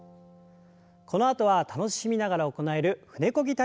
このあとは楽しみながら行える舟こぎ体操です。